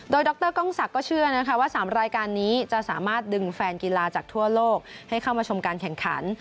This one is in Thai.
โดยดรกล้องศักดิ์ก็เชื่อนะคะว่า๓รายการนี้จะสามารถดึงแฟนกีฬาจากทั่วโลกให้เข้ามาชมการแข่งขัน